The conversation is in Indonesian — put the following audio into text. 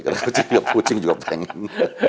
kalau kucing juga pengen